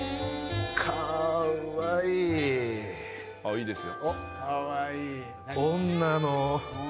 いいですよ。